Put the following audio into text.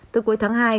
từ cuối tháng hai